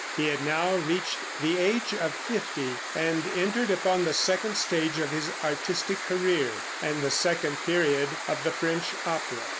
He had now reached the age of fifty, and entered upon the second stage of his artistic career, and the second period of the French opera.